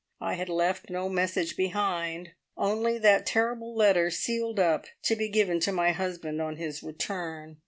I had left no message behind only that terrible letter sealed up, to be given to my husband on his return.